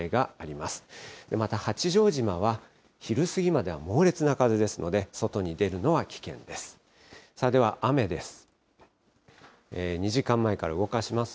また八丈島は、昼過ぎまでは猛烈な風ですので、外に出るのは危険です。